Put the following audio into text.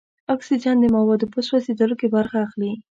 اکسیجن د موادو په سوځیدلو کې برخه اخلي.